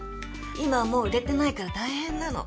今はもう売れてないから大変なの。